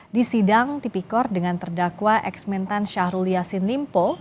di sidang tipikor dengan terdakwa eks mentan syahrul yassin limpo